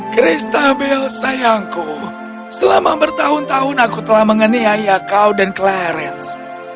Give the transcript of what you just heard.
cristabel sayangku selama bertahun tahun aku telah mengeniai ayah kau dan clarence